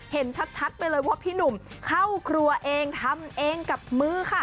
เห็นชัดไปเลยว่าพี่หนุ่มเข้าครัวเองทำเองกับมือค่ะ